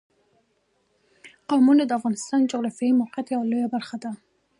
قومونه د افغانستان د جغرافیایي موقیعت یوه لویه پایله ده.